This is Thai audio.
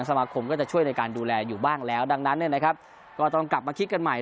สมาคมก็จะช่วยในการดูแลอยู่บ้างแล้วดังนั้นเนี่ยนะครับก็ต้องกลับมาคิดกันใหม่